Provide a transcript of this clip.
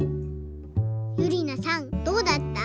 ゆりなさんどうだった？